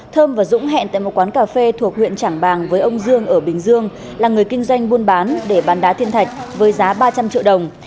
thơm và dũng hẹn tại một quán cà phê thuộc huyện trảng bàng với ông dương ở bình dương là người kinh doanh buôn bán để bán đá thiên thạch với giá ba trăm linh triệu đồng